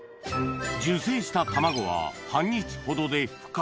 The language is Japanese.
受精した卵は半日ほどで孵化